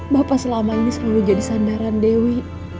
bapak selama ini selalu jadi sandaran dewi